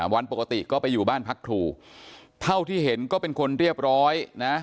วันปกติก็ไปอยู่บ้านพักครูเท่าที่เห็นก็เป็นคนเรียบร้อยนะ